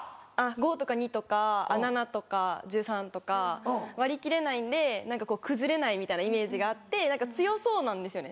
５とか２とか７とか１３とか割り切れないんで何か崩れないみたいなイメージがあって強そうなんですよね